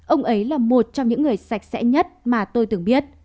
ông ấy là một trong những người sạch sẽ nhất mà tôi từng biết